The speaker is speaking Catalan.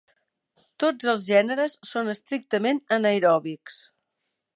Tots els gèneres són estrictament anaeròbics.